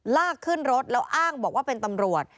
ลากขึ้นรถแล้วอ้างบอกว่าเป็นตำรวจ